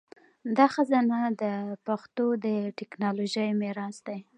دا خزانه د پښتو د ټکنالوژۍ میراث دی.